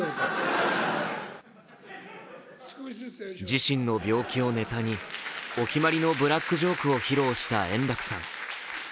自身の病気をネタにお決まりのブラックジョークを披露した円楽さん。